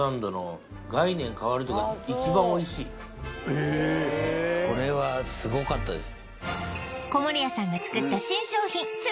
あっこのえこれはすごかったです